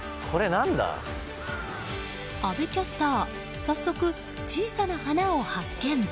阿部キャスター早速小さな花を発見。